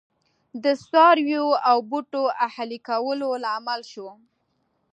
د څارویو او بوټو اهلي کولو لامل شو